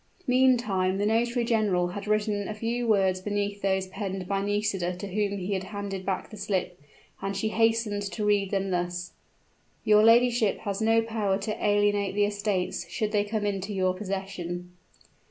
Meantime the notary general had written a few words beneath those penned by Nisida, to whom he had handed back the slip; and she hastened to read them, thus: "Your ladyship has no power to alienate the estates, should they come into your possession."